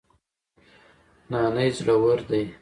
نانی زړور دی